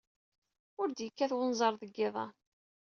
Ur d-yekkat wenẓar deg yiḍ-a.